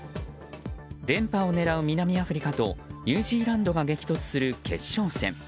連覇を狙う南アフリカとニュージーランドが激突する決勝戦。